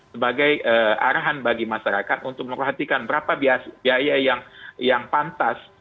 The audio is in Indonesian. sebagai arahan bagi masyarakat untuk memperhatikan berapa biaya yang pantas